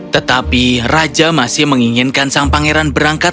tetapi raja masih menginginkan sang pangeran berangkat